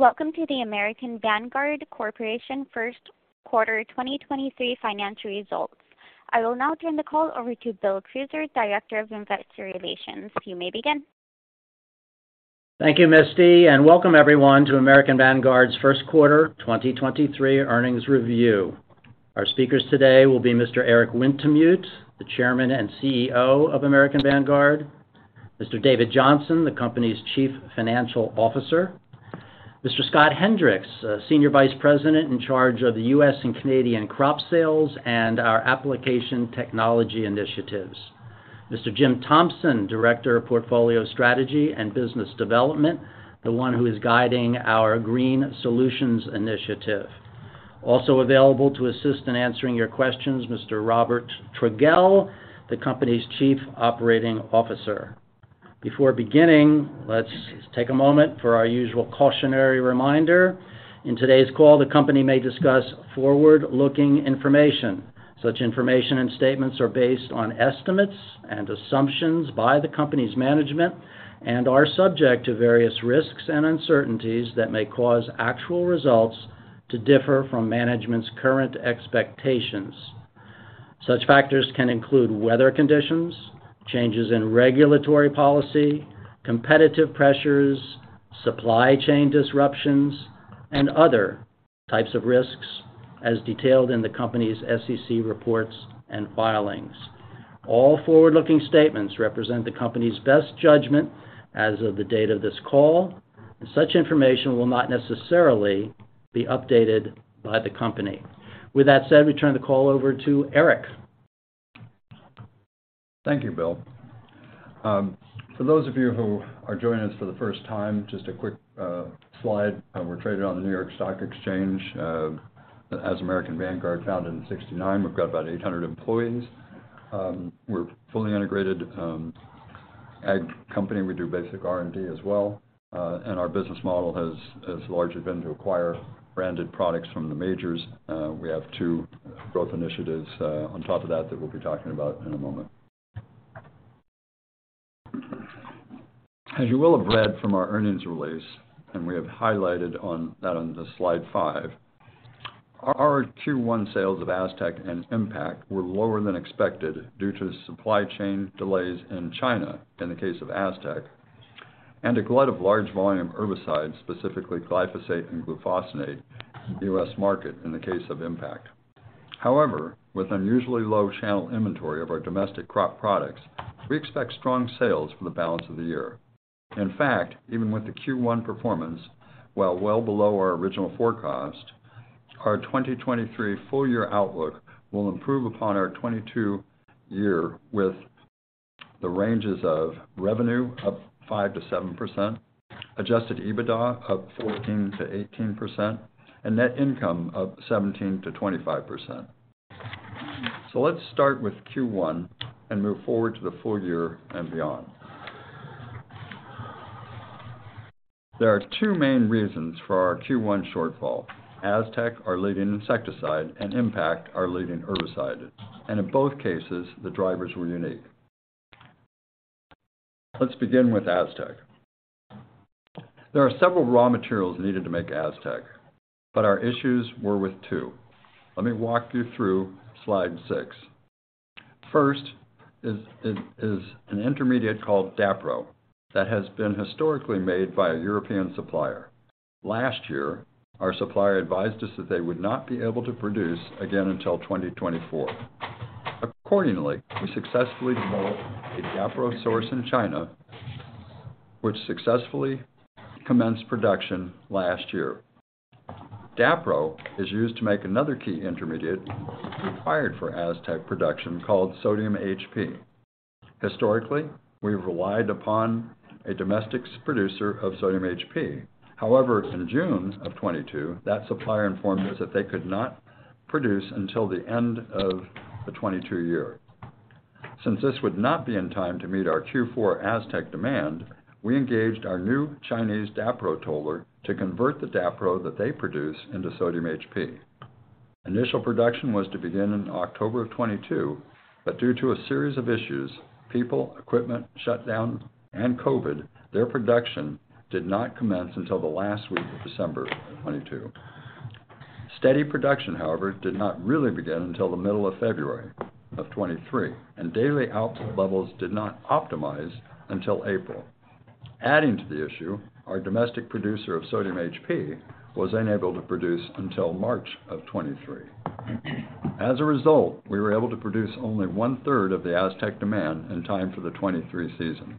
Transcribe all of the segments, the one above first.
Welcome to the American Vanguard Corporation first quarter 2023 financial results. I will now turn the call over to Bill Kuser, Director of Investor Relations. You may begin. Thank you, Misty, and welcome everyone to American Vanguard's first quarter 2023 earnings review. Our speakers today will be Mr. Eric Wintemute, the Chairman and CEO of American Vanguard. Mr. David Johnson, the company's Chief Financial Officer. Mr. Scott Hendrix, Senior Vice President in charge of the U.S. and Canadian crop sales and our application technology initiatives. Mr. Jim Thompson, Director of Portfolio Strategy and Business Development, the one who is guiding our Green Solutions initiative. Also available to assist in answering your questions, Mr. Robert Trogele, the company's Chief Operating Officer. Before beginning, let's take a moment for our usual cautionary reminder. In today's call, the company may discuss forward-looking information. Such information and statements are based on estimates and assumptions by the company's management and are subject to various risks and uncertainties that may cause actual results to differ from management's current expectations. Such factors can include weather conditions, changes in regulatory policy, competitive pressures, supply chain disruptions, and other types of risks as detailed in the company's SEC reports and filings. All forward-looking statements represent the company's best judgment as of the date of this call, and such information will not necessarily be updated by the company. With that said, we turn the call over to Eric. Thank you, Bill. For those of you who are joining us for the first time, just a quick slide. We're traded on the New York Stock Exchange as American Vanguard, founded in 69. We've got about 800 employees. We're a fully integrated ag company. We do basic R&D as well. Our business model has largely been to acquire branded products from the majors. We have two growth initiatives on top of that we'll be talking about in a moment. As you will have read from our earnings release, and we have highlighted on that on the slide five, our Q1 sales of Aztec and Impact were lower than expected due to supply chain delays in China in the case of Aztec, and a glut of large volume herbicides, specifically glyphosate and glufosinate, in the U.S. market in the case of Impact. However, with unusually low channel inventory of our domestic crop products, we expect strong sales for the balance of the year. In fact, even with the Q1 performance, while well below our original forecast, our 2023 full-year outlook will improve upon our 2022 year with the ranges of revenue up 5%-7%, adjusted EBITDA up 14%-18%, and net income up 17%-25%. Let's start with Q1 and move forward to the full year and beyond. There are two main reasons for our Q1 shortfall, Aztec, our leading insecticide, and Impact, our leading herbicide. In both cases, the drivers were unique. Let's begin with Aztec. There are several raw materials needed to make Aztec, but our issues were with two. Let me walk you through slide six. First is an intermediate called Dapro that has been historically made by a European supplier. Last year, our supplier advised us that they would not be able to produce again until 2024. Accordingly, we successfully developed a Dapro source in China, which successfully commenced production last year. Dapro is used to make another key intermediate required for Aztec production called Sodium HP. Historically, we've relied upon a domestic producer of Sodium HP. However, in June of 2022, that supplier informed us that they could not produce until the end of the 2022 year. Since this would not be in time to meet our Q4 Aztec demand, we engaged our new Chinese Dapro toller to convert the Dapro that they produce into Sodium HP. Initial production was to begin in October of 2022, but due to a series of issues, people, equipment, shutdown, and COVID, their production did not commence until the last week of December of 2022. Steady production, however, did not really begin until the middle of February of 2023, and daily output levels did not optimize until April. Adding to the issue, our domestic producer of Sodium HP was unable to produce until March of 2023. As a result, we were able to produce only one-third of the Aztec demand in time for the 2023 season.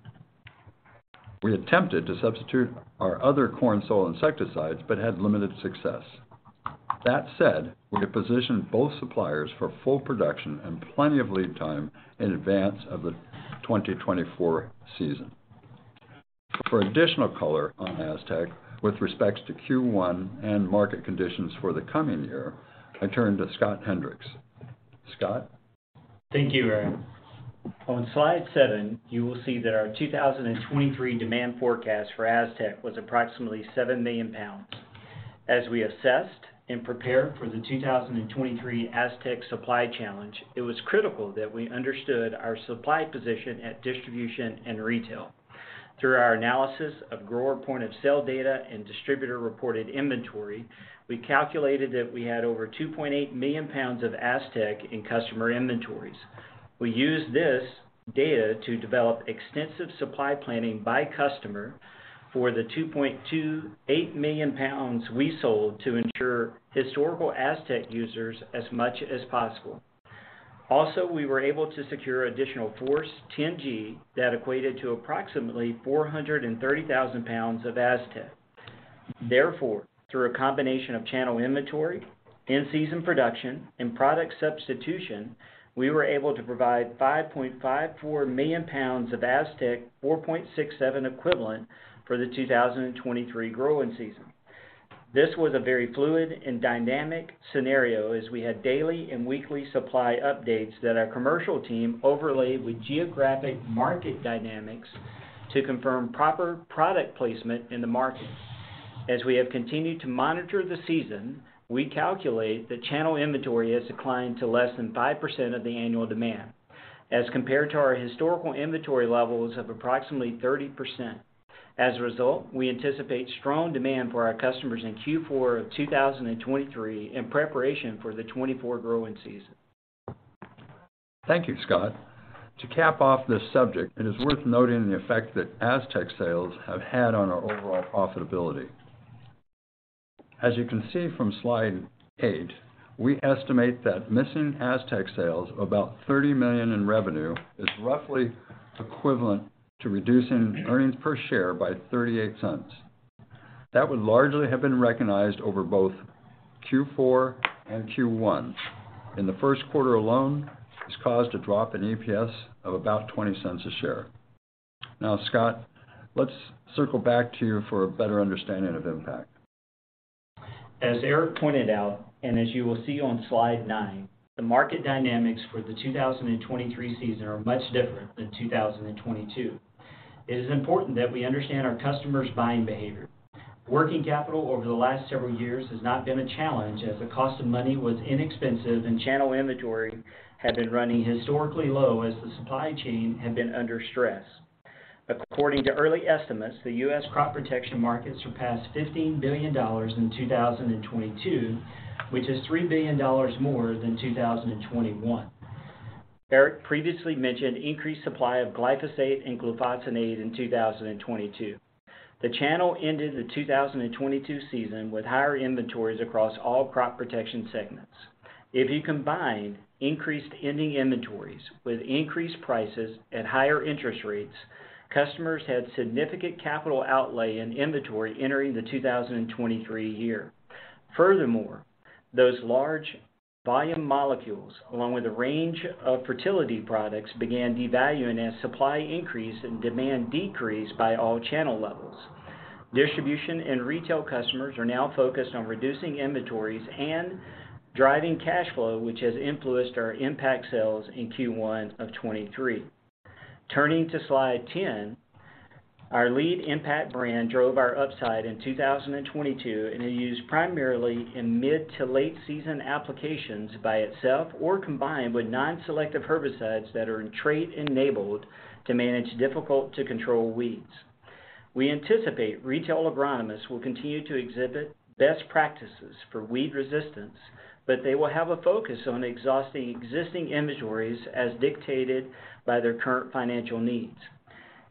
We attempted to substitute our other corn soil insecticides but had limited success. That said, we have positioned both suppliers for full production and plenty of lead time in advance of the 2024 season. For additional color on Aztec with respects to Q1 and market conditions for the coming year, I turn to Scott Hendrix. Scott. Thank you, Eric. On slide seven, you will see that our 2023 demand forecast for Aztec was approximately seven million lbs. As we assessed and prepared for the 2023 Aztec supply challenge, it was critical that we understood our supply position at distribution and retail. Through our analysis of grower point-of-sale data and distributor-reported inventory, we calculated that we had over 2.8 million pounds of Aztec in customer inventories. We used this data to develop extensive supply planning by customer for the 2.28 million pounds we sold to ensure historical Aztec users as much as possible. We were able to secure additional Force 10G HL that equated to approximately 430,000 pounds of Aztec. Through a combination of channel inventory, in-season production and product substitution, we were able to provide 5.54 million pounds of Aztec, 4.67 equivalent for the 2023 growing season. This was a very fluid and dynamic scenario as we had daily and weekly supply updates that our commercial team overlaid with geographic market dynamics to confirm proper product placement in the market. As we have continued to monitor the season, we calculate that channel inventory has declined to less than 5% of the annual demand, as compared to our historical inventory levels of approximately 30%. As a result, we anticipate strong demand for our customers in Q4 of 2023 in preparation for the 2024 growing season. Thank you, Scott. To cap off this subject, it is worth noting the effect that Aztec sales have had on our overall profitability. As you can see from slide eight, we estimate that missing Aztec sales of about $30 million in revenue is roughly equivalent to reducing earnings per share by $0.38. That would largely have been recognized over both Q4 and Q1. In the first quarter alone, this caused a drop in EPS of about $0.20 a share. Now, Scott, let's circle back to you for a better understanding of Impact. As Eric pointed out, and as you will see on slide nine, the market dynamics for the 2023 season are much different than 2022. It is important that we understand our customers' buying behavior. Working capital over the last several years has not been a challenge as the cost of money was inexpensive and channel inventory had been running historically low as the supply chain had been under stress. According to early estimates, the U.S. crop protection market surpassed $15 billion in 2022, which is $3 billion more than 2021. Eric previously mentioned increased supply of glyphosate and glufosinate in 2022. The channel ended the 2022 season with higher inventories across all crop protection segments. If you combine increased ending inventories with increased prices at higher interest rates, customers had significant capital outlay in inventory entering the 2023 year. Those large volume molecules, along with a range of fertility products, began devaluing as supply increased and demand decreased by all channel levels. Distribution and retail customers are now focused on reducing inventories and driving cash flow, which has influenced our Impact sales in Q1 of 2023. Turning to slide 10, our lead Impact brand drove our upside in 2022, and are used primarily in mid to late season applications by itself or combined with non-selective herbicides that are trait-enabled to manage difficult-to-control weeds. We anticipate retail agronomists will continue to exhibit best practices for weed resistance, but they will have a focus on exhausting existing inventories as dictated by their current financial needs.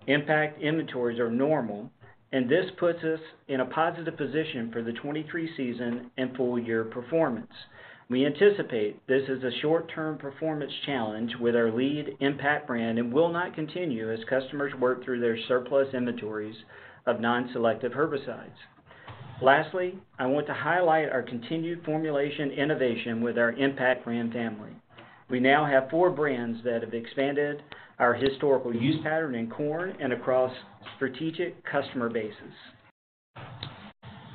Impact inventories are normal. This puts us in a positive position for the 23 season and full year performance. We anticipate this is a short-term performance challenge with our lead Impact brand and will not continue as customers work through their surplus inventories of non-selective herbicides. Lastly, I want to highlight our continued formulation innovation with our Impact brand family. We now have four brands that have expanded our historical use pattern in corn and across strategic customer bases.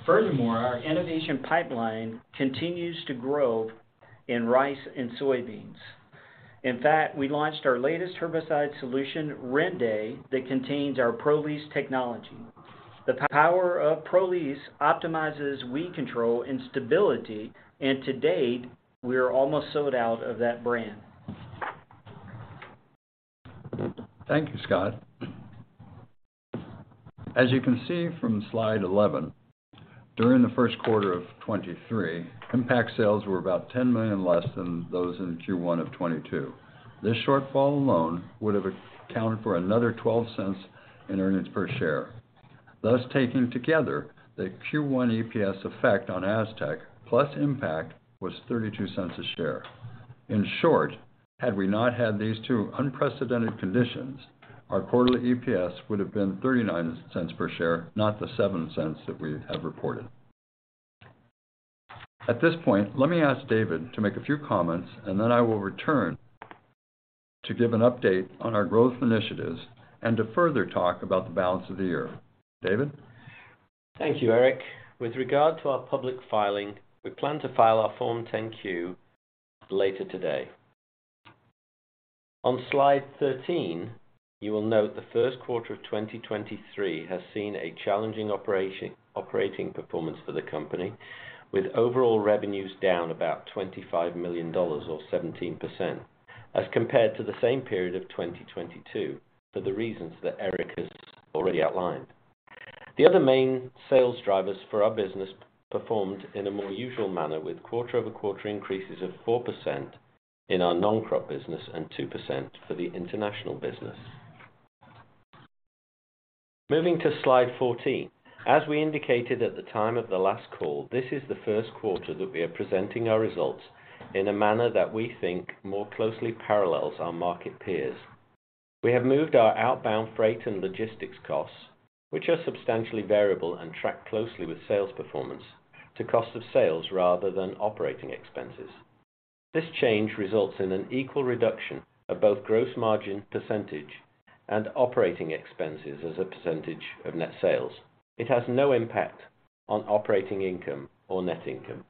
Furthermore, our innovation pipeline continues to grow in rice and soybeans. In fact, we launched our latest herbicide solution, Rende, that contains our ProLease technology. The power of ProLease optimizes weed control and stability. To date, we are almost sold out of that brand. Thank you, Scott. As you can see from slide 11, during the first quarter of 2023, Impact sales were about $10 million less than those in Q1 of 2022. This shortfall alone would have accounted for another $0.12 in earnings per share. Taking together the Q1 EPS effect on Aztec plus Impact was $0.32 a share. In short, had we not had these two unprecedented conditions, our quarterly EPS would have been $0.39 per share, not the $0.07 that we have reported. At this point, let me ask David to make a few comments, then I will return to give an update on our growth initiatives and to further talk about the balance of the year. David? Thank you, Eric. With regard to our public filing, we plan to file our Form 10-Q later today. On slide 13, you will note the first quarter of 2023 has seen a challenging operating performance for the company with overall revenues down about $25 million or 17% as compared to the same period of 2022 for the reasons that Eric has already outlined. The other main sales drivers for our business performed in a more usual manner, with quarter-over-quarter increases of 4% in our non-crop business and 2% for the international business. Moving to slide 14. As we indicated at the time of the last call, this is the first quarter that we are presenting our results in a manner that we think more closely parallels our market peers. We have moved our outbound freight and logistics costs, which are substantially variable and track closely with sales performance to cost of sales rather than operating expenses. This change results in an equal reduction of both gross margin percentage and operating expenses as a percentage of net sales. It has no impact on operating income or net income.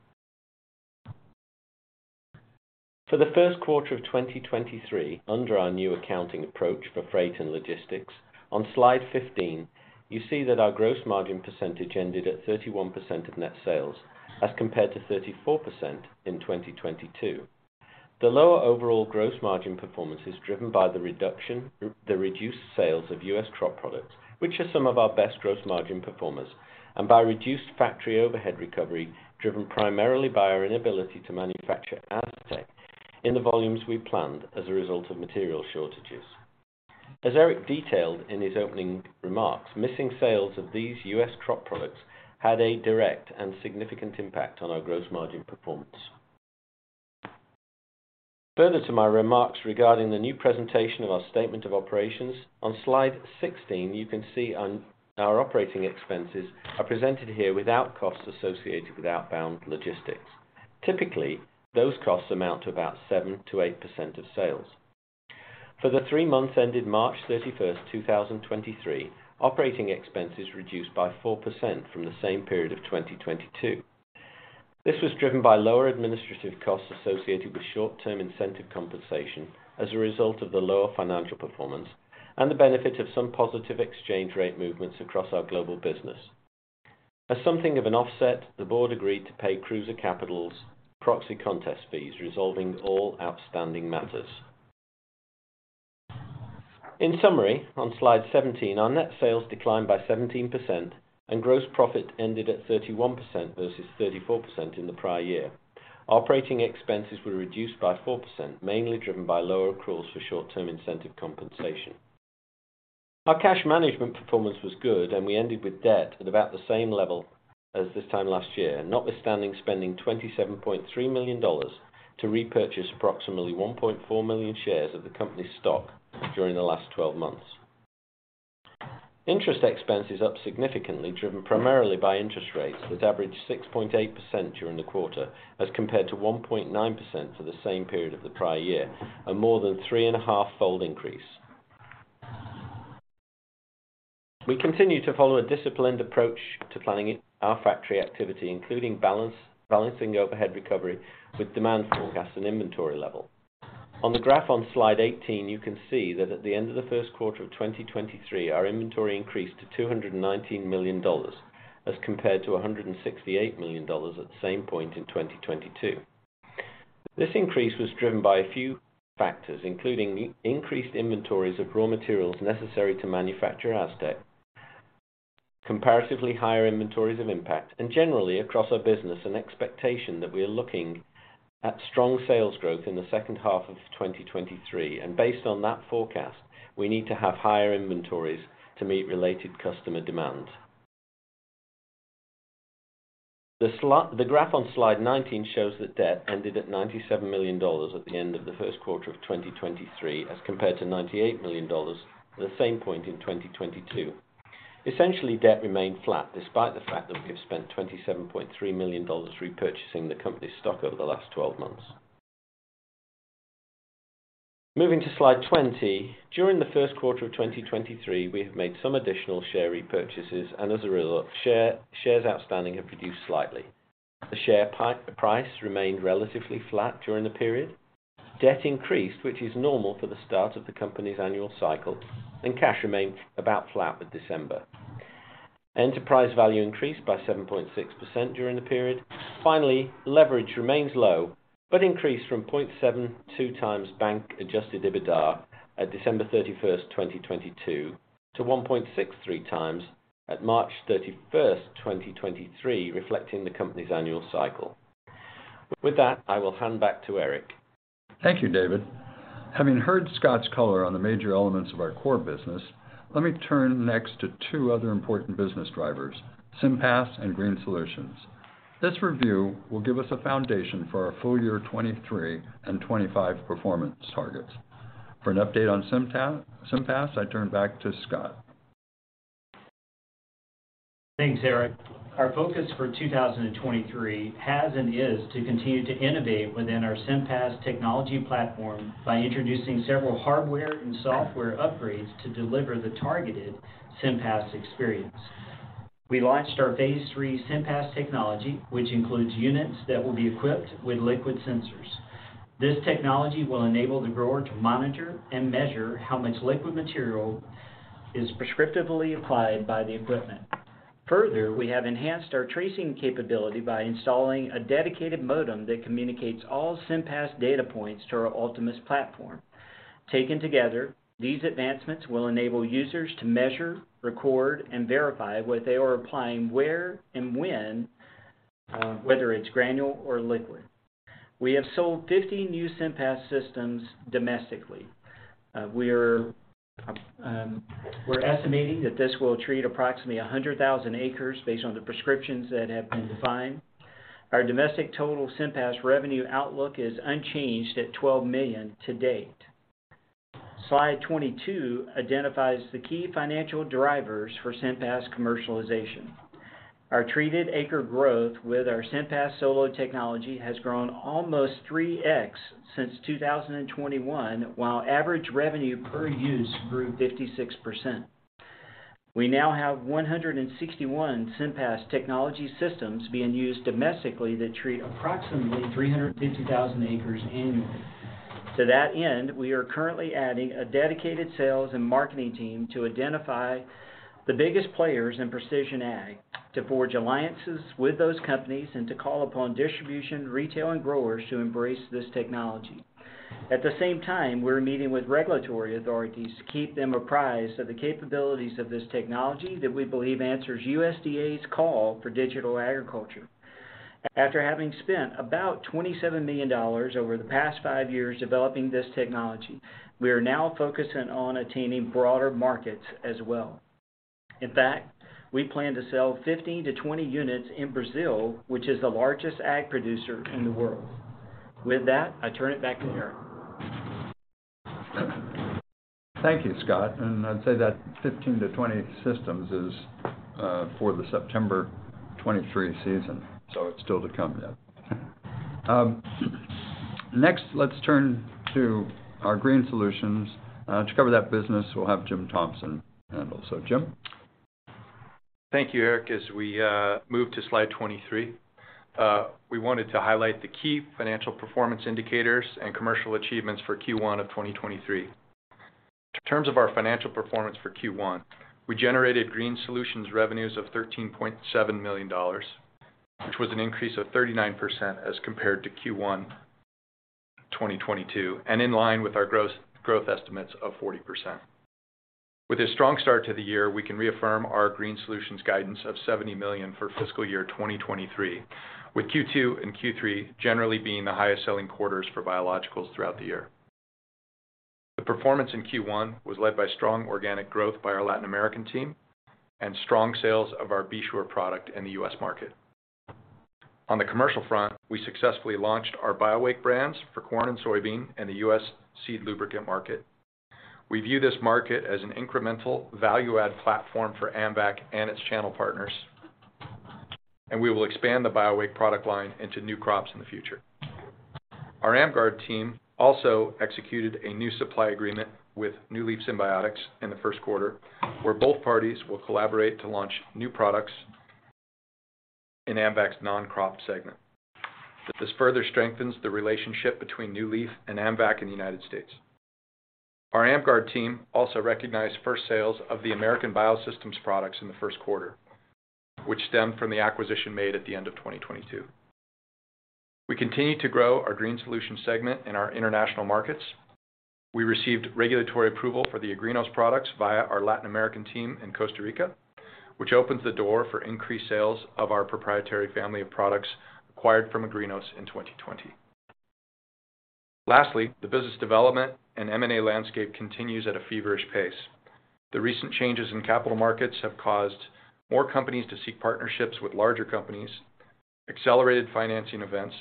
For the first quarter of 2023 under our new accounting approach for freight and logistics, on slide 15, you see that our gross margin percentage ended at 31% of net sales as compared to 34% in 2022. The lower overall gross margin performance is driven by the reduced sales of U.S. crop products, which are some of our best gross margin performers, and by reduced factory overhead recovery, driven primarily by our inability to manufacture Aztec in the volumes we planned as a result of material shortages. As Eric detailed in his opening remarks, missing sales of these U.S. crop products had a direct and significant impact on our gross margin performance. Further to my remarks regarding the new presentation of our statement of operations, on slide 16, you can see our operating expenses are presented here without costs associated with outbound logistics. Typically, those costs amount to about 7%-8% of sales. For the three months ended March 31, 2023, operating expenses reduced by 4% from the same period of 2022. This was driven by lower administrative costs associated with short-term incentive compensation as a result of the lower financial performance and the benefit of some positive exchange rate movements across our global business. As something of an offset, the board agreed to pay Cruiser Capital's proxy contest fees, resolving all outstanding matters. In summary, on slide 17, our net sales declined by 17% and gross profit ended at 31% versus 34% in the prior year. Operating expenses were reduced by 4%, mainly driven by lower accruals for short-term incentive compensation. Our cash management performance was good, and we ended with debt at about the same level as this time last year, notwithstanding spending $27.3 million to repurchase approximately 1.4 million shares of the company's stock during the last 12 months. Interest expense is up significantly, driven primarily by interest rates that averaged 6.8% during the quarter as compared to 1.9% for the same period of the prior year, a more than three and a half fold increase. We continue to follow a disciplined approach to planning our factory activity, including balancing overhead recovery with demand forecasts and inventory level. On the graph on slide 18, you can see that at the end of the first quarter of 2023, our inventory increased to $219 million as compared to $168 million at the same point in 2022. This increase was driven by a few factors, including increased inventories of raw materials necessary to manufacture Aztec, comparatively higher inventories of Impact, and generally across our business, an expectation that we are looking at strong sales growth in the second half of 2023. Based on that forecast, we need to have higher inventories to meet related customer demand. The graph on slide 19 shows that debt ended at $97 million at the end of the first quarter of 2023, as compared to $98 million at the same point in 2022. Essentially, debt remained flat despite the fact that we have spent $27.3 million repurchasing the company's stock over the last 12 months. Moving to slide 20. During the first quarter of 2023, we have made some additional share repurchases, and as a result, shares outstanding have reduced slightly. The share price remained relatively flat during the period. Debt increased, which is normal for the start of the company's annual cycle, and cash remained about flat for December. Enterprise value increased by 7.6% during the period. Finally, leverage remains low, but increased from 0.72 times bank adjusted EBITDA at December 31, 2022 to 1.63 times at March 31, 2023, reflecting the company's annual cycle. With that, I will hand back to Eric. Thank you, David. Having heard Scott's color on the major elements of our core business, let me turn next to two other important business drivers, SIMPAS and Green Solutions. This review will give us a foundation for our full year 2023 and 2025 performance targets. For an update on SIMPAS, I turn back to Scott. Thanks, Eric. Our focus for 2023 has and is to continue to innovate within our SIMPAS technology platform by introducing several hardware and software upgrades to deliver the targeted SIMPAS experience. We launched our Phase III SIMPAS technology, which includes units that will be equipped with liquid sensors. This technology will enable the grower to monitor and measure how much liquid material is prescriptively applied by the equipment. Further, we have enhanced our tracing capability by installing a dedicated modem that communicates all SIMPAS data points to our ULTIMUS platform. Taken together, these advancements will enable users to measure, record, and verify what they are applying, where and when, whether it's granule or liquid. We have sold 50 new SIMPAS systems domestically. We are, we're estimating that this will treat approximately 100,000 acres based on the prescriptions that have been defined. Our domestic total SIMPAS revenue outlook is unchanged at $12 million to date. Slide 22 identifies the key financial drivers for SIMPAS commercialization. Our treated acre growth with our SIMPAS solo technology has grown almost 3x since 2021, while average revenue per use grew 56%. We now have 161 SIMPAS technology systems being used domestically that treat approximately 350,000 acres annually. To that end, we are currently adding a dedicated sales and marketing team to identify the biggest players in precision ag, to forge alliances with those companies, and to call upon distribution, retail, and growers to embrace this technology. At the same time, we're meeting with regulatory authorities to keep them apprised of the capabilities of this technology that we believe answers USDA's call for digital agriculture. After having spent about $27 million over the past five years developing this technology, we are now focusing on attaining broader markets as well. In fact, we plan to sell 15-20 units in Brazil, which is the largest ag producer in the world. With that, I turn it back to Eric. Thank you, Scott. I'd say that 15-20 systems is for the September 2023 season, it's still to come. Next, let's turn to our Green Solutions. To cover that business, we'll have Jim Thompson handle. Jim. Thank you, Eric. We move to slide 23, we wanted to highlight the key financial performance indicators and commercial achievements for Q1 of 2023. In terms of our financial performance for Q1, we generated Green Solutions revenues of $13.7 million, which was an increase of 39% as compared to Q1 2022, in line with our growth estimates of 40%. With a strong start to the year, we can reaffirm our Green Solutions guidance of $70 million for fiscal year 2023, with Q2 and Q3 generally being the highest-selling quarters for biologicals throughout the year. The performance in Q1 was led by strong organic growth by our Latin American team and strong sales of our B Sure product in the U.S. market. On the commercial front, we successfully launched our BioWake brands for corn and soybean in the U.S. seed lubricant market. We view this market as an incremental value-add platform for AMVAC and its channel partners, and we will expand the BioWake product line into new crops in the future. Our AMGUARD team also executed a new supply agreement with NewLeaf Symbiotics in the first quarter, where both parties will collaborate to launch new products in AMVAC's non-crop segment. This further strengthens the relationship between NewLeaf and AMVAC in the United States. Our AMGUARD team also recognized first sales of the American Bio-Systems products in the first quarter, which stemmed from the acquisition made at the end of 2022. We continue to grow our Green Solutions segment in our international markets. We received regulatory approval for the Agrinos products via our Latin American team in Costa Rica, which opens the door for increased sales of our proprietary family of products acquired from Agrinos in 2020. The business development and M&A landscape continues at a feverish pace. The recent changes in capital markets have caused more companies to seek partnerships with larger companies, accelerated financing events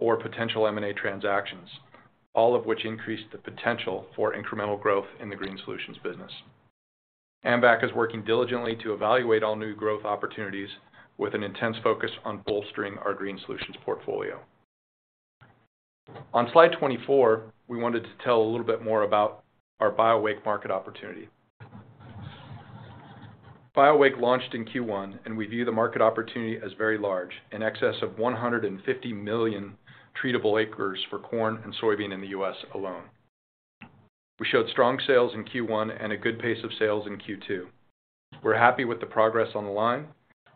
or potential M&A transactions, all of which increase the potential for incremental growth in the Green Solutions business. AMVAC is working diligently to evaluate all new growth opportunities with an intense focus on bolstering our Green Solutions portfolio. On slide 24, we wanted to tell a little bit more about our BioWake market opportunity. BioWake launched in Q1, and we view the market opportunity as very large, in excess of 150 million treatable acres for corn and soybean in the U.S. alone. We showed strong sales in Q1 and a good pace of sales in Q2. We're happy with the progress on the line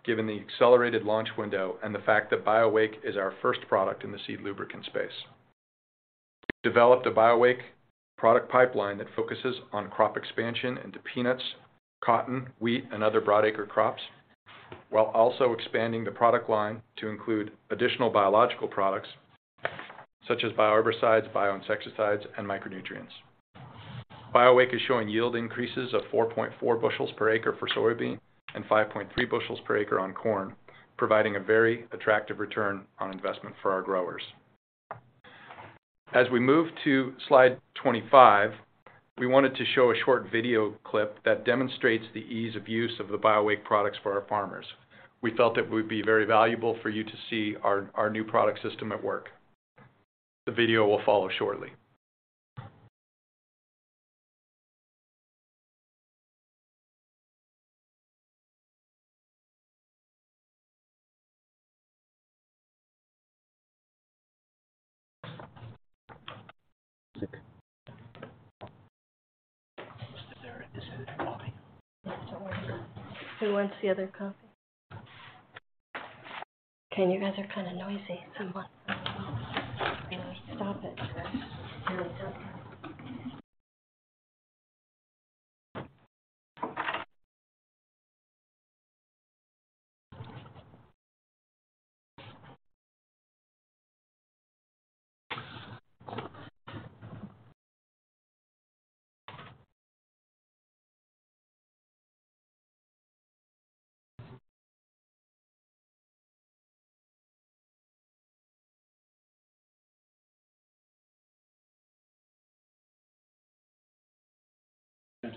given the accelerated launch window and the fact that BioWake is our first product in the seed lubricant space. We've developed a BioWake product pipeline that focuses on crop expansion into peanuts, cotton, wheat, and other broad acre crops, while also expanding the product line to include additional biological products such as bioherbicides, bioinsecticides, and micronutrients. BioWake is showing yield increases of 4.4 bushels per acre for soybean and 5.3 bushels per acre on corn, providing a very attractive return on investment for our growers. As we move to slide 25, we wanted to show a short video clip that demonstrates the ease of use of the BioWake products for our farmers. We felt it would be very valuable for you to see our new product system at work. The video will follow shortly. Who wants the other coffee? You guys are kind of noisy. Stop it,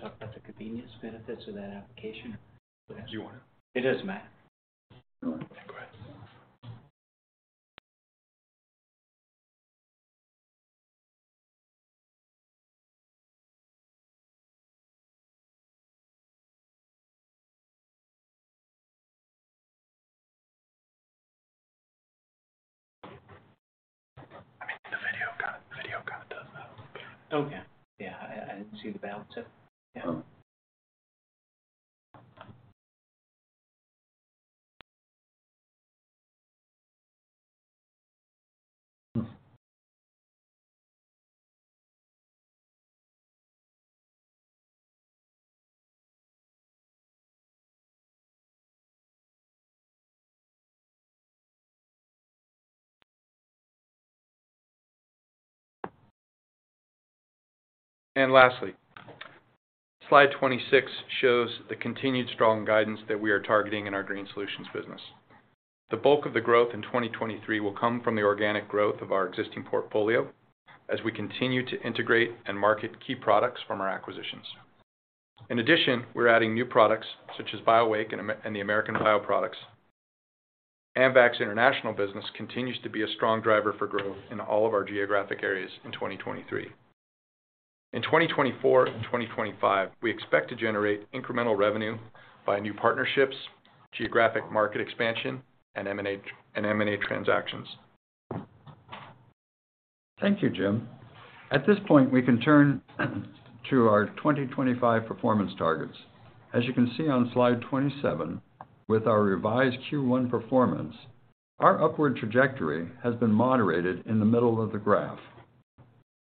guys. Really don't. Gonna talk about the convenience benefits of that application. Do you want to? It is Matt. All right. Go ahead. I mean, the video kind of does though. Oh, yeah. Yeah. I see the belt too. Yeah. Lastly, slide 26 shows the continued strong guidance that we are targeting in our Green Solutions business. The bulk of the growth in 2023 will come from the organic growth of our existing portfolio as we continue to integrate and market key products from our acquisitions. In addition, we're adding new products such as BioWake and the American Bio products. AMVAC's international business continues to be a strong driver for growth in all of our geographic areas in 2023. In 2024 and 2025, we expect to generate incremental revenue by new partnerships, geographic market expansion, and M&A transactions. Thank you, Jim. At this point, we can turn to our 2025 performance targets. As you can see on slide 27, with our revised Q1 performance, our upward trajectory has been moderated in the middle of the graph.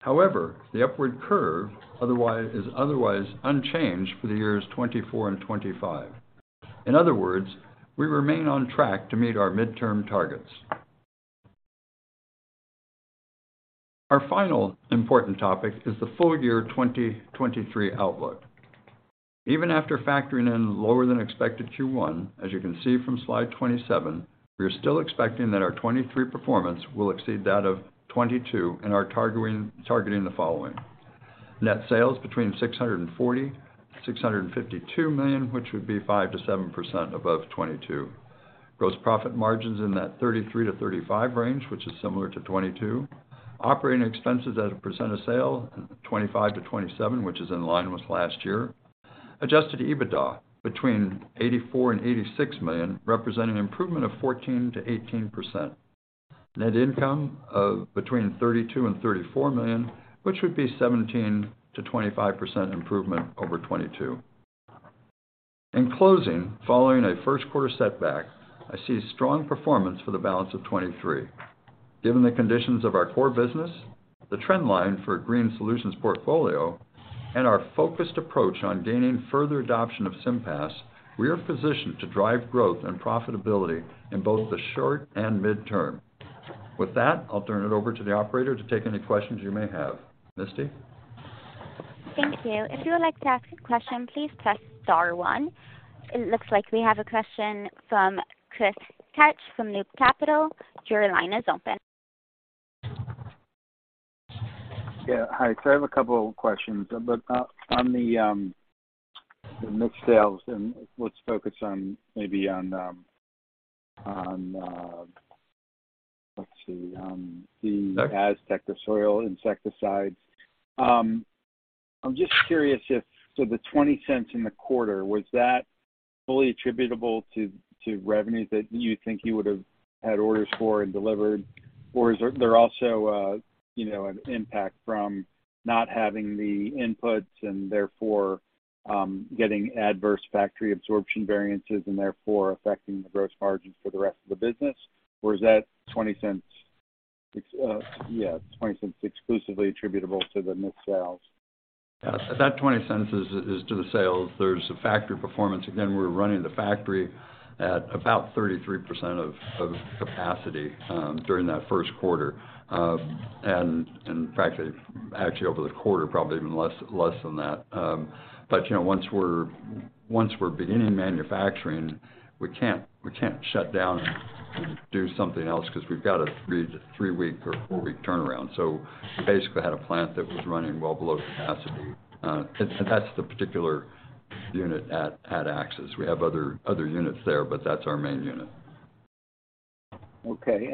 However, the upward curve is otherwise unchanged for the years 2024 and 2025. In other words, we remain on track to meet our midterm targets. Our final important topic is the full year 2023 outlook. Even after factoring in lower than expected Q1, as you can see from slide 27, we are still expecting that our 2023 performance will exceed that of 2022 and are targeting the following: net sales between $640 million-$652 million, which would be 5%-7% above 2022. Gross profit margins in that 33%-35% range, which is similar to 2022. Operating expenses as a percent of sale, 25%-27%, which is in line with last year. adjusted EBITDA between $84 million and $86 million, representing improvement of 14%-18%. Net income of between $32 million and $34 million, which would be 17%-25% improvement over 2022. In closing, following a first quarter setback, I see strong performance for the balance of 2023. Given the conditions of our core business, the trend line for Green Solutions portfolio, and our focused approach on gaining further adoption of SIMPAS, we are positioned to drive growth and profitability in both the short and midterm. With that, I'll turn it over to the operator to take any questions you may have. Misty? Thank you. If you would like to ask a question, please press star one. It looks like we have a question from Chris Kapsch from Loop Capital. Your line is open. Yeah. Hi. I have a couple questions, but on the mixed sales, let's focus on maybe on, let's see. Okay. Aztec, the soil insecticide. I'm just curious if the $0.20 in the quarter was that fully attributable to revenues that you think you would have had orders for and delivered? Or is there also, you know, an impact from not having the inputs and therefore getting adverse factory absorption variances and therefore affecting the gross margins for the rest of the business? Or is that $0.20 exclusively attributable to the mixed sales? Yeah. That $0.20 is to the sales. There's a factory performance. Again, we're running the factory at about 33% of capacity during that 1st quarter. In fact, actually over the quarter, probably even less than that. You know, once we're beginning manufacturing, we can't shut down and do something else because we've got a three-week or four-week turnaround. We basically had a plant that was running well below capacity. That's the particular unit at Axis. We have other units there, that's our main unit. Okay.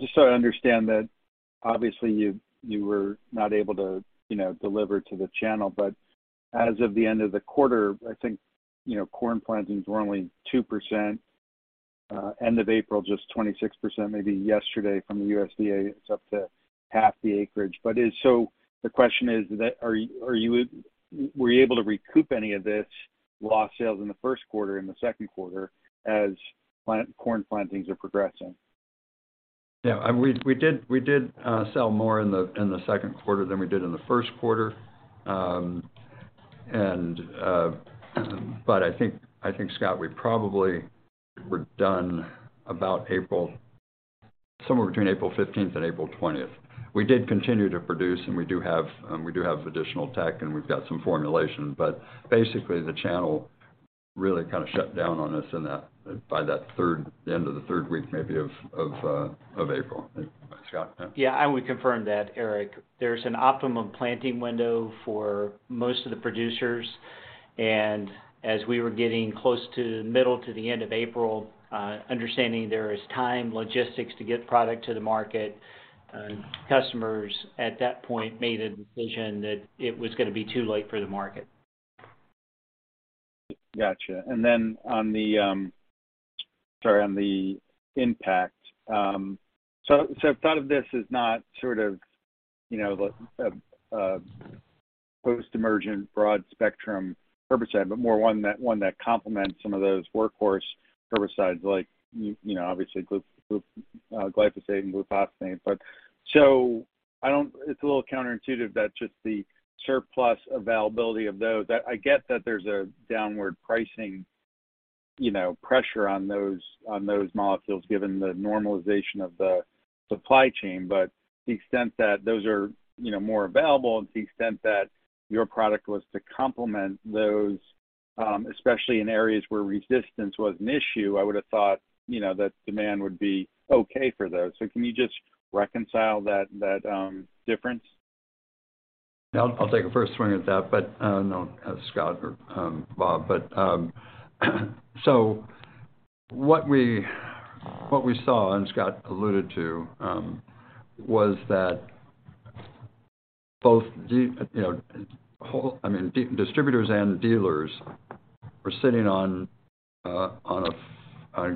Just so I understand that obviously you were not able to, you know, deliver to the channel, but as of the end of the quarter, I think, you know, corn plantings were only 2%, end of April, just 26%, maybe yesterday from the USDA, it's up to half the acreage. The question is, are you able to recoup any of this lost sales in the first quarter, in the second quarter as corn plantings are progressing? Yeah, we did sell more in the second quarter than we did in the first quarter. I think, Scott, we probably were done about April, somewhere between April 15th and April 20th. We did continue to produce, and we do have additional tech, and we've got some formulations. Basically, the channel really kind of shut down on us end of the third week, maybe, of April. Scott? Yeah, I would confirm that, Eric. There's an optimum planting window for most of the producers. As we were getting close to the middle to the end of April, understanding there is time, logistics to get product to the market, customers at that point made a decision that it was gonna be too late for the market. Gotcha. Then on the, sorry, on the Impact. So I've thought of this as not sort of, you know, like a post-emergent broad-spectrum herbicide, but more one that complements some of those workhorse herbicides like, you know, obviously glyphosate and glufosinate. It's a little counterintuitive that just the surplus availability of those. I get that there's a downward pricing, you know, pressure on those molecules given the normalization of the supply chain. The extent that those are, you know, more available and the extent that your product was to complement those, especially in areas where resistance was an issue, I would have thought, you know, that demand would be okay for those. Can you just reconcile that difference? Yeah. I'll take a first swing at that, but I don't know if Scott or Bob. What we saw, and Scott alluded to, was that both you know, I mean, distributors and dealers were sitting on a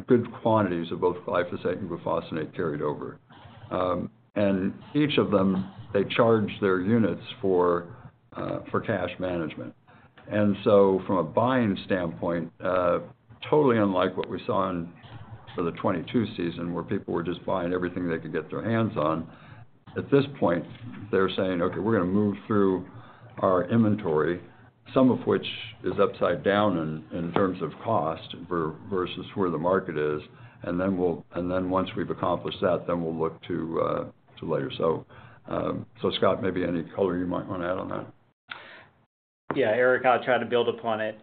good quantities of both glyphosate and glufosinate carried over. Each of them, they charge their units for cash management. From a buying standpoint, totally unlike what we saw for the 2022 season, where people were just buying everything they could get their hands on, at this point, they're saying, "Okay, we're gonna move through our inventory, some of which is upside down in terms of cost versus where the market is, and then once we've accomplished that, then we'll look to layer. Scott, maybe any color you might wanna add on that? Yeah, Eric, I'll try to build upon it.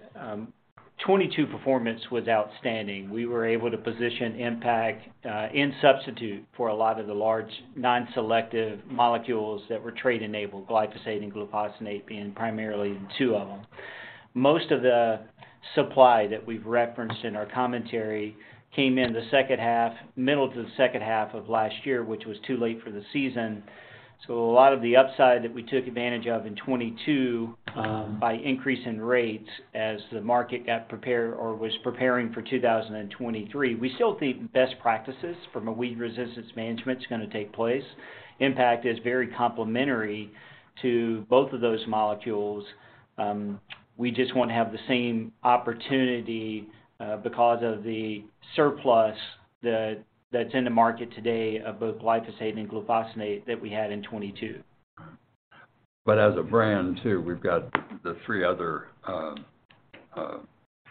22 performance was outstanding. We were able to position Impact, in substitute for a lot of the large non-selective molecules that were trait-enabled, glyphosate and glufosinate being primarily the two of them. Most of the supply that we've referenced in our commentary came in the second half, middle to the second half of last year, which was too late for the season. A lot of the upside that we took advantage of in 22, by increase in rates as the market got prepared or was preparing for 2023. We still think best practices from a weed resistance management is gonna take place. Impact is very complementary to both of those molecules. We just won't have the same opportunity because of the surplus that's in the market today of both glyphosate and glufosinate that we had in 2022. As a brand too, we've got the three other,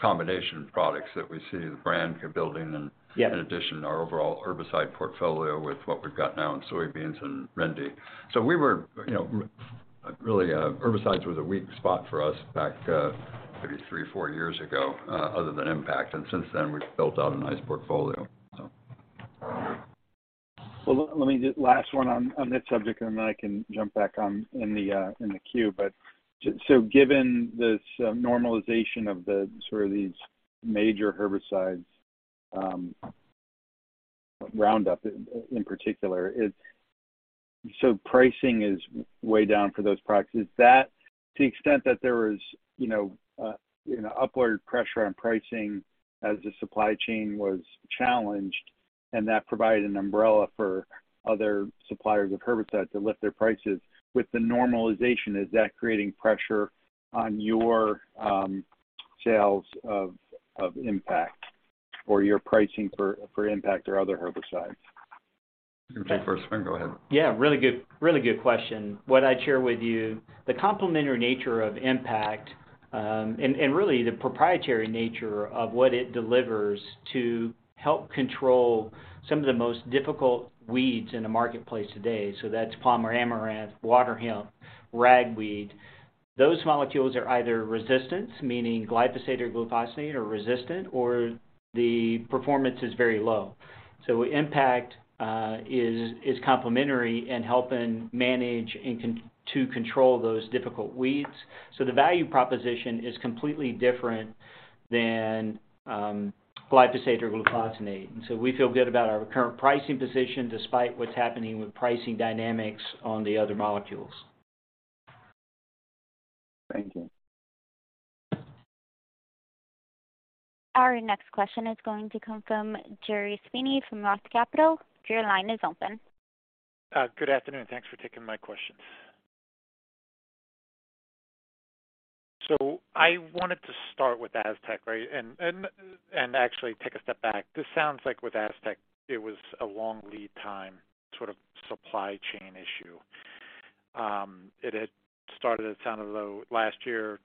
combination products that we see the brand building. Yes in addition to our overall herbicide portfolio with what we've got now in soybeans and Rendi. We were, you know, really, herbicides was a weak spot for us back, maybe three, four years ago, other than Impact. Since then, we've built out a nice portfolio. Well, let me just. Last one on this subject, and then I can jump back on in the queue. Given this normalization of the sort of these major herbicides, Roundup in particular, pricing is way down for those products. Is that to the extent that there was, you know, upward pressure on pricing as the supply chain was challenged, and that provided an umbrella for other suppliers of herbicides to lift their prices? With the normalization, is that creating pressure on your sales of Impact or your pricing for Impact or other herbicides? You can take first swing. Go ahead. Really good, really good question. What I'd share with you, the complementary nature of Impact, and really the proprietary nature of what it delivers to help control some of the most difficult weeds in the marketplace today. That's Palmer amaranth, waterhemp, ragweed. Those molecules are either resistant, meaning glyphosate or glufosinate are resistant, or the performance is very low. Impact is complementary in helping manage and to control those difficult weeds. The value proposition is completely different. glyphosate or glufosinate. We feel good about our current pricing position despite what's happening with pricing dynamics on the other molecules. Thank you. Our next question is going to come from Gerry Sweeney from ROTH Capital. Your line is open. Good afternoon. Thanks for taking my questions. I wanted to start with Aztec, right? And actually take a step back. This sounds like with Aztec it was a long lead time sort of supply chain issue. It had started, it sounded, though, last year,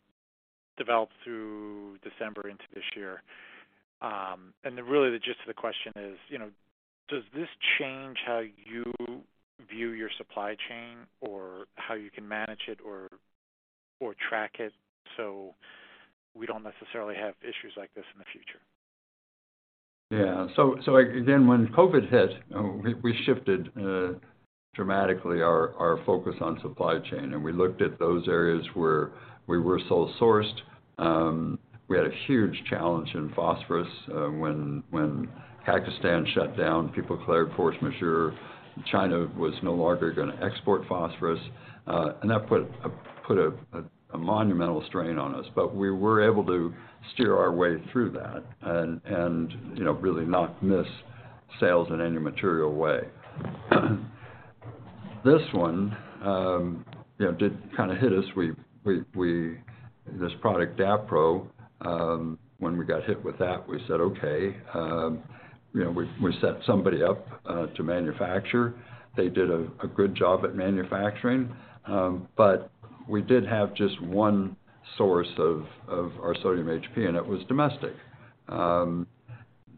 developed through December into this year. Really the gist of the question is, you know, does this change how you view your supply chain or how you can manage it or track it, so we don't necessarily have issues like this in the future? Yeah. Again, when COVID hit, we shifted dramatically our focus on supply chain, we looked at those areas where we were sole sourced. We had a huge challenge in phosphorus, when Pakistan shut down, people declared force majeure. China was no longer gonna export phosphorus, that put a monumental strain on us. We were able to steer our way through that and, you know, really not miss sales in any material way. This one, you know, did kind of hit us. This product, Dapro, when we got hit with that, we said, "Okay." You know, we set somebody up to manufacture. They did a good job at manufacturing. We did have just one source of our Sodium HP, it was domestic.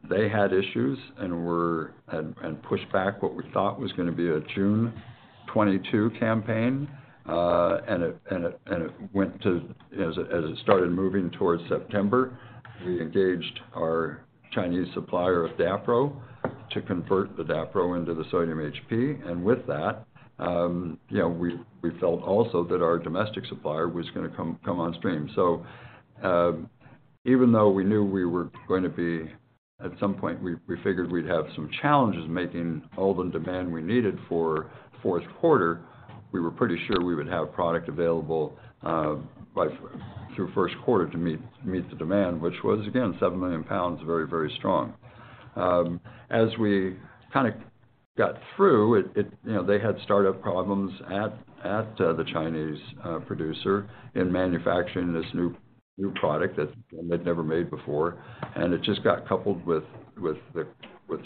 They had issues and pushed back what we thought was gonna be a June 2022 campaign. As it started moving towards September, we engaged our Chinese supplier of Dapro to convert the Dapro into the Sodium HP. With that, you know, we felt also that our domestic supplier was gonna come on stream. Even though we knew we were going to be at some point, we figured we'd have some challenges making all the demand we needed for fourth quarter, we were pretty sure we would have product available through first quarter to meet the demand, which was, again, 7 million pounds. Very strong. As we kind of got through it, You know, they had startup problems at the Chinese producer in manufacturing this new product that they'd never made before, and it just got coupled with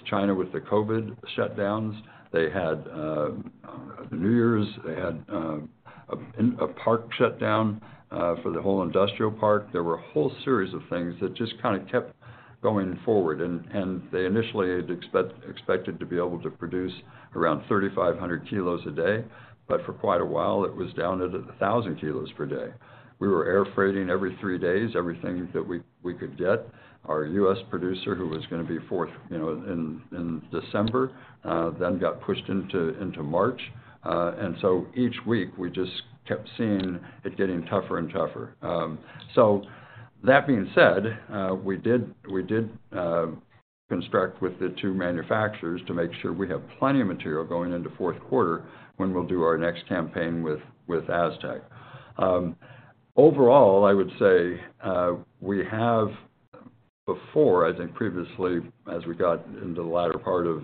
China, with the COVID shutdowns. They had the New Year's, they had a park shut down for the whole industrial park. There were a whole series of things that just kind of kept going forward. They initially had expected to be able to produce around 3,500 kg a day. For quite a while, it was down to 1,000 kg per day. We were air freighting every three days, everything that we could get. Our U.S. producer, who was gonna be fourth, you know, in December, got pushed into March. Each week we just kept seeing it getting tougher and tougher. That being said, we did construct with the two manufacturers to make sure we have plenty of material going into fourth quarter when we'll do our next campaign with Aztec. Overall, I would say, we have before, I think previously, as we got into the latter part of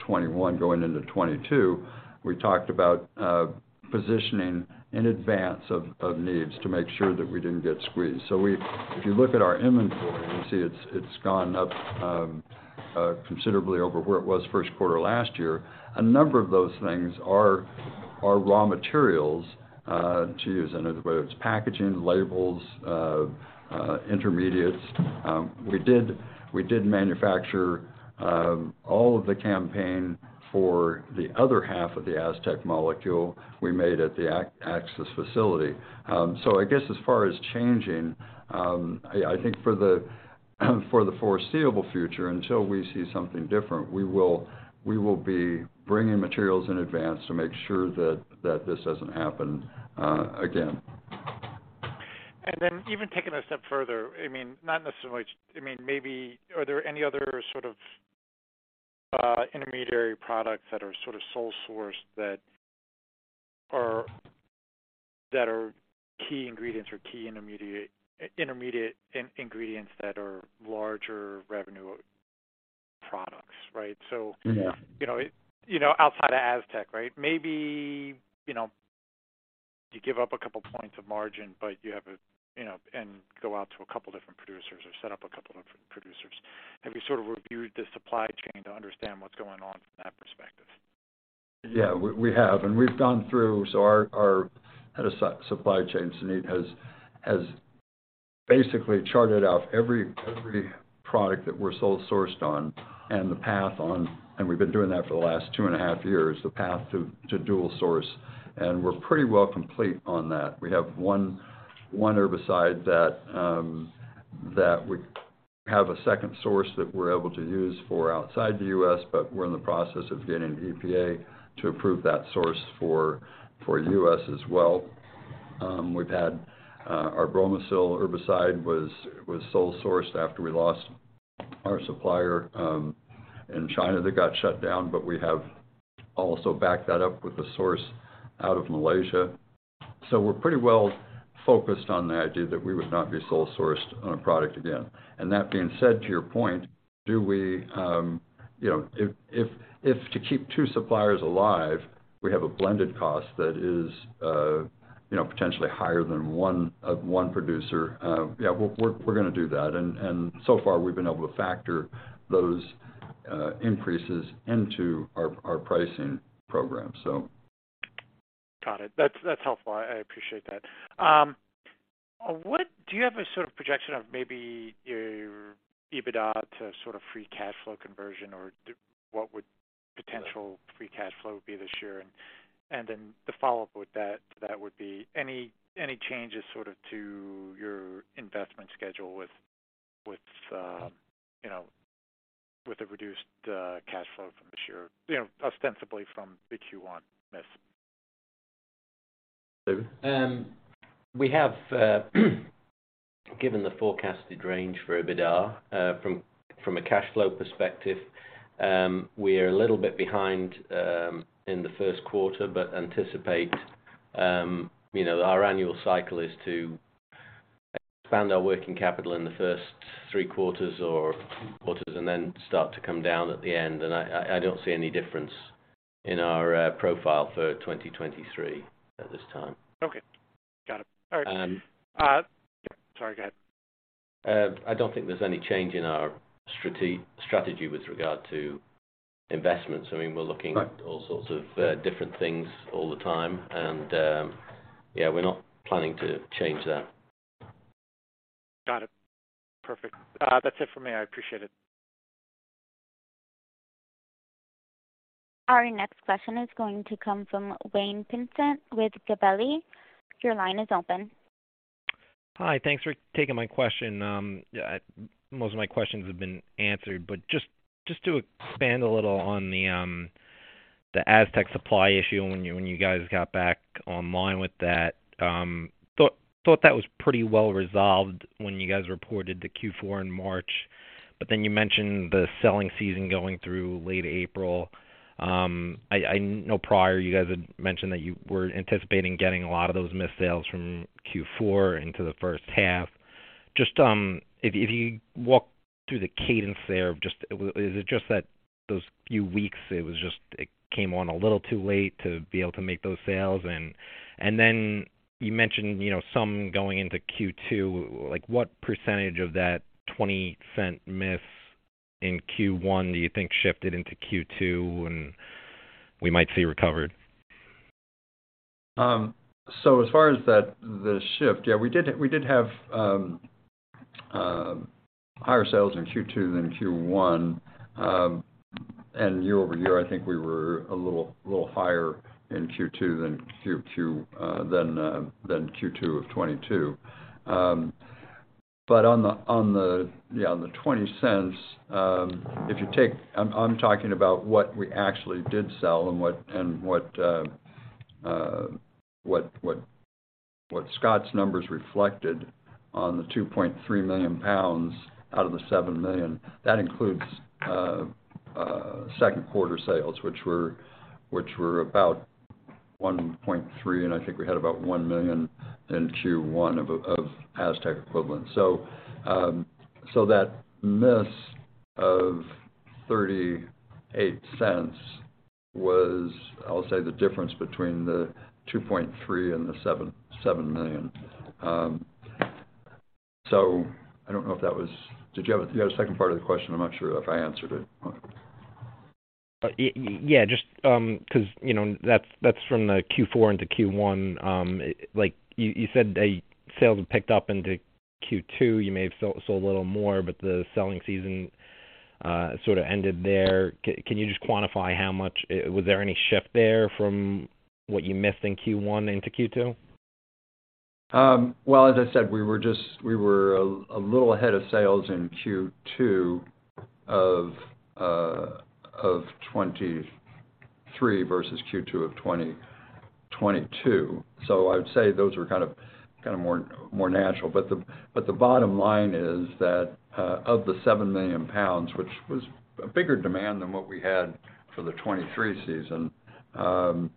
2021 going into 2022, we talked about positioning in advance of needs to make sure that we didn't get squeezed. If you look at our inventory, you see it's gone up considerably over where it was first quarter last year. A number of those things are raw materials to use. Whether it's packaging, labels, intermediates. We did manufacture all of the campaign for the other half of the Aztec molecule we made at the Axis facility. I guess as far as changing, I think for the foreseeable future, until we see something different, we will be bringing materials in advance to make sure that this doesn't happen again. even taking it a step further, I mean, not necessarily... I mean, maybe are there any other sort of intermediary products that are sort of sole sourced that are key ingredients or key intermediate ingredients that are larger revenue products, right? Yeah. You know, you know, outside of Aztec, right? Maybe, you know, you give up a couple points of margin, but you have a, you know, and go out to a couple different producers or set up a couple different producers. Have you sort of reviewed the supply chain to understand what's going on from that perspective? Yeah, we have. We've gone through. Our Head of Supply Chain, Suneet, has basically charted out every product that we're sole sourced on and the path on, and we've been doing that for the last 2.5 years, the path to dual source, and we're pretty well complete on that. We have one herbicide that we have a second source that we're able to use for outside the U.S., but we're in the process of getting EPA to approve that source for U.S. as well. We've had our Bromacil herbicide was sole sourced after we lost our supplier in China that got shut down, but we have also backed that up with a source out of Malaysia. We're pretty well focused on the idea that we would not be sole sourced on a product again. That being said, to your point, do we, you know, if to keep two suppliers alive, we have a blended cost that is, you know, potentially higher than one producer. Yeah, we're gonna do that. So far, we've been able to factor those increases into our pricing program. Got it. That's helpful. I appreciate that. What do you have a sort of projection of maybe your EBITDA to sort of free cash flow conversion or what would potential free cash flow be this year? Then the follow-up with that to that would be any changes sort of to your investment schedule with, you know, with the reduced cash flow from this year, you know, ostensibly from the Q1 miss. David? We have given the forecasted range for EBITDA from a cash flow perspective, we are a little bit behind in the first quarter, but anticipate, you know, our annual cycle is to expand our working capital in the first three quarters or four quarters and then start to come down at the end. I don't see any difference in our profile for 2023 at this time. Okay. Got it. All right. Um- Sorry, go ahead. I don't think there's any change in our strategy with regard to investments. I mean, we're looking-. Right... at all sorts of different things all the time, and, yeah, we're not planning to change that. Got it. Perfect. That's it for me. I appreciate it. Our next question is going to come from Wayne Pinsent with Gabelli. Your line is open. Hi. Thanks for taking my question. Yeah, most of my questions have been answered, but just to expand a little on the Aztec supply issue when you guys got back online with that. Thought that was pretty well resolved when you guys reported the Q4 in March. You mentioned the selling season going through late April. I know prior, you guys had mentioned that you were anticipating getting a lot of those missed sales from Q4 into the first half. Just, if you walk through the cadence there of is it just that those few weeks, it came on a little too late to be able to make those sales? Then you mentioned, you know, some going into Q2, like, what percentage of that $0.20 miss in Q1 do you think shifted into Q2, and we might see recovered? As far as that, the shift, yeah, we did have higher sales in Q2 than Q1. Year-over-year, I think we were a little higher in Q2 than Q2 of 2022. On the $0.20, I'm talking about what we actually did sell and what Scott's numbers reflected on the 2.3 million pounds out of the 7 million. That includes second quarter sales, which were about 1.3, and I think we had about 1 million in Q1 of Aztec equivalent. That miss of $0.38 was, I'll say, the difference between the 2.3 and the 7 million. I don't know if that was... You had a second part of the question. I'm not sure if I answered it. Yeah, just 'cause, you know, that's from the Q4 into Q1. Like, you said that sales picked up into Q2. You may have sold a little more, but the selling season sort of ended there. Can you just quantify how much? Was there any shift there from what you missed in Q1 into Q2? Well, as I said, we were a little ahead of sales in Q2 of 2023 versus Q2 of 2022. I'd say those were kind of more natural. The bottom line is that of the 7 million pounds, which was a bigger demand than what we had for the 2023 season, of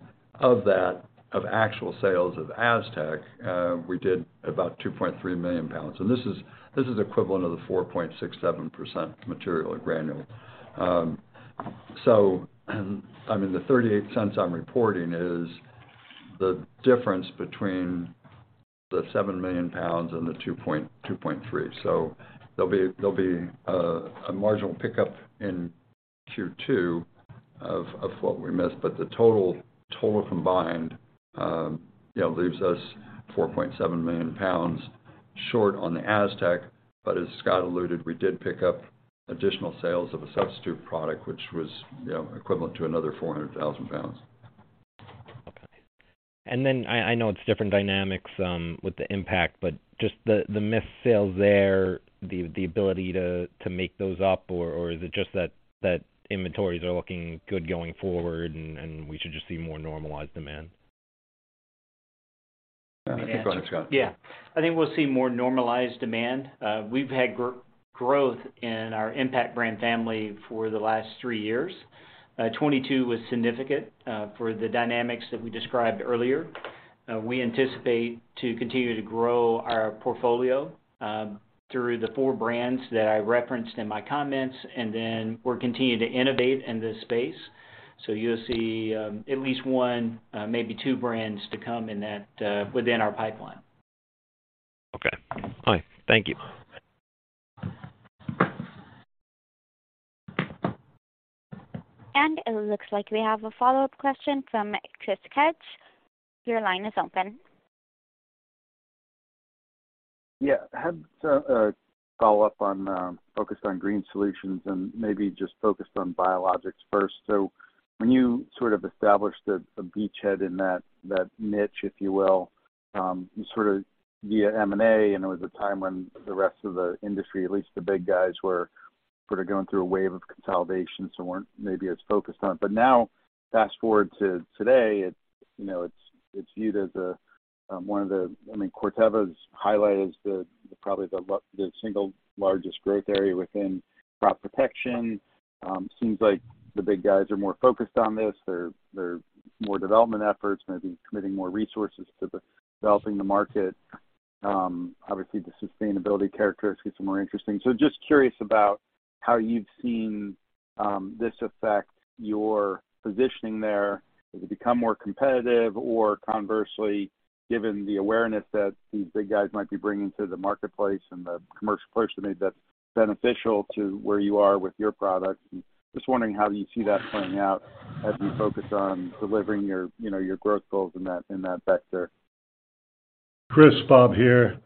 that, of actual sales of Aztec, we did about 2.3 million pounds. This is equivalent to the 4.67% material or granule. I mean, the $0.38 I'm reporting is the difference between the 7 million pounds and the 2.3. There'll be a marginal pickup in Q2 of what we missed. The total combined, you know, leaves us 4.7 million pounds short on the Aztec. As Scott alluded, we did pick up additional sales of a substitute product, which was, you know, equivalent to another 400,000 pounds. I know it's different dynamics, with the Impact, but just the missed sales there, the ability to make those up or is it just that inventories are looking good going forward and we should just see more normalized demand? I think go ahead, Scott. Yes. I think we'll see more normalized demand. We've had growth in our Impact brand family for the last three years. 2022 was significant for the dynamics that we described earlier. We anticipate to continue to grow our portfolio through the four brands that I referenced in my comments, and then we're continuing to innovate in this space. You'll see at least one, maybe two brands to come in that within our pipeline. Okay. All right. Thank you. It looks like we have a follow-up question from Chris Kapsch. Your line is open. Yeah. Had a follow-up on focused on Green Solutions and maybe just focused on biologics first. When you sort of established a beachhead in that niche, if you will, you sort of via M&A, and it was a time when the rest of the industry, at least the big guys, were sort of going through a wave of consolidation, so weren't maybe as focused on it. Now fast-forward to today, it's, you know, it's viewed as a, one of the... I mean, Corteva's highlight is the, probably the single largest growth area within crop protection. Seems like the big guys are more focused on this. There are more development efforts, maybe committing more resources to the developing the market. Obviously the sustainability characteristics are more interesting. Just curious about how you've seen this affect your positioning there. Has it become more competitive? Or conversely, given the awareness that these big guys might be bringing to the marketplace and the commercial push they made that's beneficial to where you are with your products. Just wondering how you see that playing out as you focus on delivering your, you know, your growth goals in that vector. Chris, Bob here.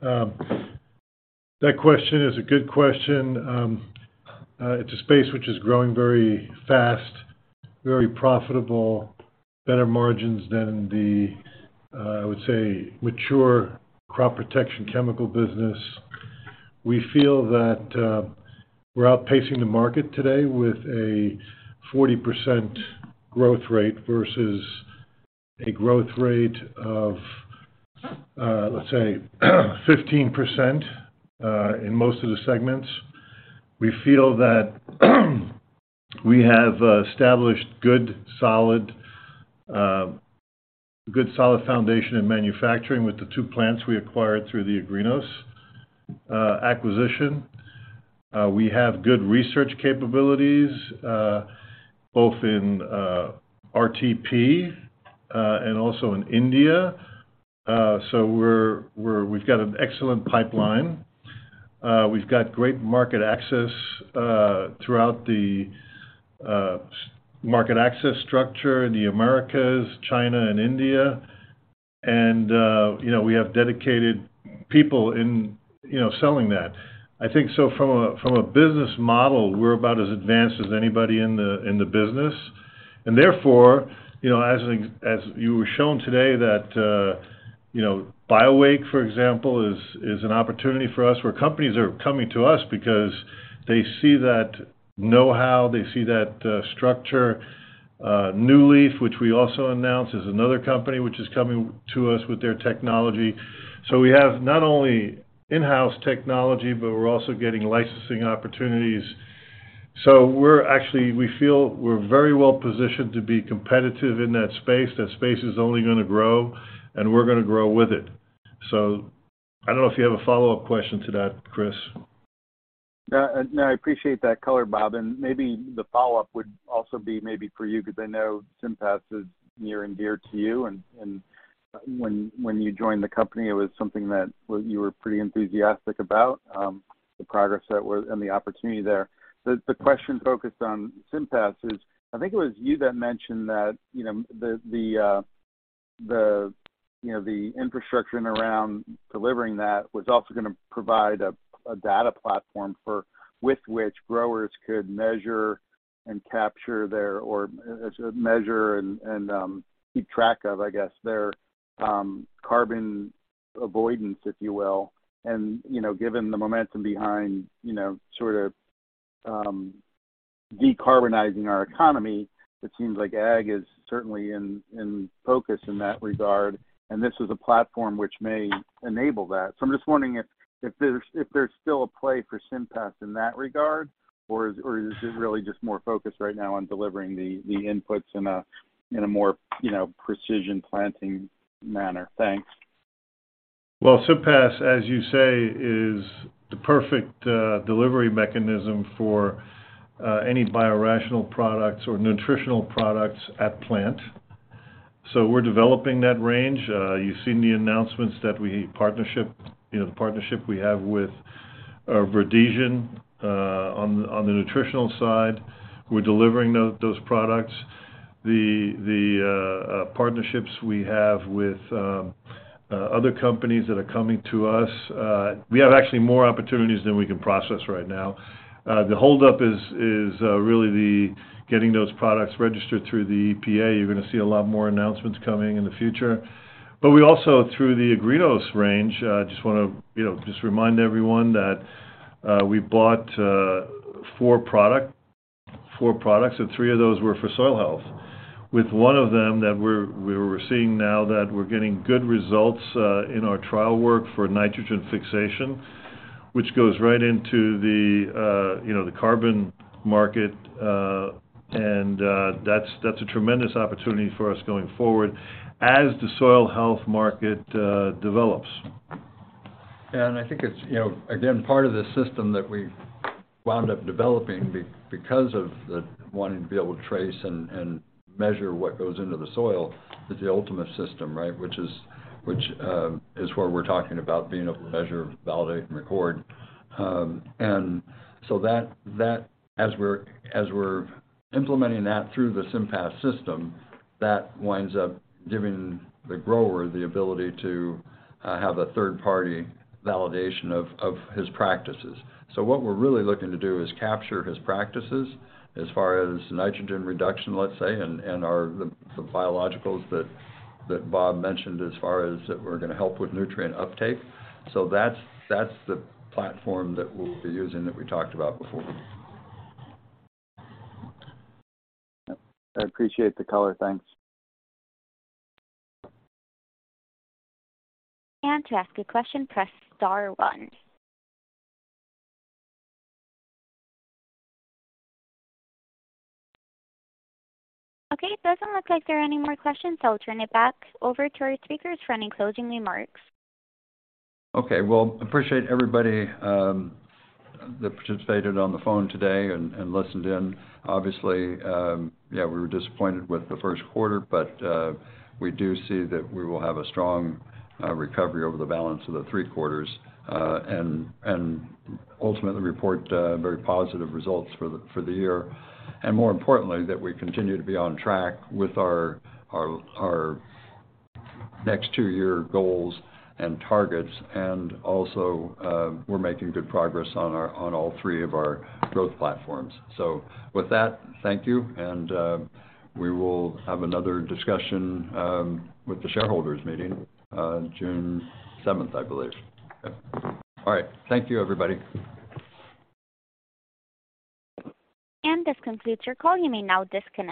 That question is a good question. It's a space which is growing very fast, very profitable, better margins than the, I would say, mature crop protection chemical business. We feel that we're outpacing the market today with a 40% growth rate versus a growth rate of let's say, 15% in most of the segments. We feel that we have established good, solid foundation in manufacturing with the two plants we acquired through the Agrinos acquisition. We have good research capabilities both in RTP and also in India. So we've got an excellent pipeline. We've got great market access throughout the market access structure in the Americas, China and India. You know, we have dedicated people in, you know, selling that. I think so from a, from a business model, we're about as advanced as anybody in the, in the business. Therefore, you know, as you were shown today that, you know, BioWake, for example, is an opportunity for us, where companies are coming to us because they see that know-how, they see that structure. NewLeaf, which we also announced, is another company which is coming to us with their technology. We have not only in-house technology, but we're also getting licensing opportunities. We're actually, we feel we're very well positioned to be competitive in that space. That space is only gonna grow, and we're gonna grow with it. I don't know if you have a follow-up question to that, Chris. No, no, I appreciate that color, Bob. Maybe the follow-up would also be maybe for you, because I know SIMPAS is near and dear to you. When you joined the company, it was something that you were pretty enthusiastic about, the progress that was, and the opportunity there. The question focused on SIMPAS is, I think it was you that mentioned that, you know, the, you know, the infrastructure and around delivering that was also gonna provide a data platform for with which growers could measure and capture their, or measure and keep track of, I guess, their carbon avoidance, if you will. You know, given the momentum behind, you know, sort of, decarbonizing our economy, it seems like ag is certainly in focus in that regard, and this is a platform which may enable that. I'm just wondering if there's still a play for SIMPAS in that regard, or is it really just more focused right now on delivering the inputs in a, in a more, you know, precision planting manner? Thanks. SIMPAS, as you say, is the perfect delivery mechanism for any biorational products or nutritional products at plant. We're developing that range. You've seen the announcements that we partnership, you know, the partnership we have with Verdesian on the nutritional side. We're delivering those products. The partnerships we have with other companies that are coming to us, we have actually more opportunities than we can process right now. The holdup is really the getting those products registered through the EPA. You're gonna see a lot more announcements coming in the future. We also, through the Agrinos range, just wanna, you know, just remind everyone that we bought four products, and three of those were for soil health. With one of them that we were seeing now that we're getting good results in our trial work for nitrogen fixation, which goes right into the, you know, the carbon market. That's a tremendous opportunity for us going forward as the soil health market develops. I think it's, you know, again, part of the system that we wound up developing because of the wanting to be able to trace and measure what goes into the soil is the ULTIMUS system, right? Which is, which is where we're talking about being able to measure, validate, and record. So that as we're implementing that through the SIMPAS system, that winds up giving the grower the ability to have a third-party validation of his practices. What we're really looking to do is capture his practices as far as nitrogen reduction, let's say, and our the biologicals that Bob mentioned as far as that we're gonna help with nutrient uptake. That's the platform that we'll be using that we talked about before. I appreciate the color. Thanks. To ask a question, press star one. Okay, it doesn't look like there are any more questions. I'll turn it back over to our speakers for any closing remarks. Okay. Well, appreciate everybody that participated on the phone today and listened in. Obviously, yeah, we were disappointed with the first quarter, but we do see that we will have a strong recovery over the balance of the three quarters and ultimately report very positive results for the year. More importantly, that we continue to be on track with our next two-year goals and targets. Also, we're making good progress on all three of our growth platforms. With that, thank you, and we will have another discussion with the shareholders meeting, June seventh, I believe. Yeah. All right. Thank you, everybody. This concludes your call. You may now disconnect.